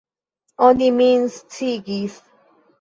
Oni min sciigis.